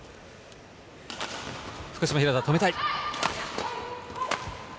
福島・廣田、止めたい。